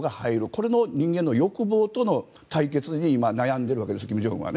これの人間の欲望との対決に今、悩んでいるわけです金正恩は。